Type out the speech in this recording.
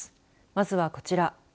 まずはこちら。